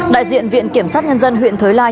đại diện viện kiểm sát nhân dân huyện thới lai